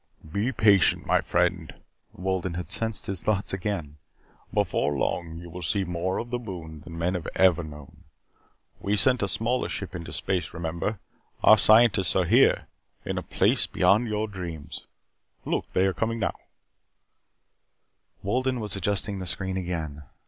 "Be patient, my friend," Wolden had sensed his thoughts again. "Before long, you will see more of the moon than men have ever known. We sent a smaller ship into space. Remember! Our scientists are here. In a place beyond your dreams. Look. They are coming now." Wolden was adjusting the screen again.